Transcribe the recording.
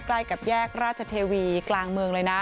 ใกล้กับแยกราชเทวีกลางเมืองเลยนะ